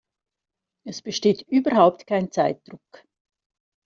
Es besteht überhaupt kein Zeitdruck.